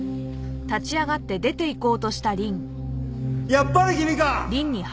やっぱり君か！